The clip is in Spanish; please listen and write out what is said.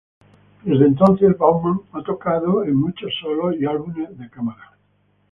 Desde entonces, Baumann ha tocado en muchos solos y álbumes de cámara.